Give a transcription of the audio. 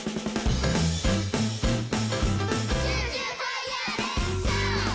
「ジュージューファイヤーレッツシャオ」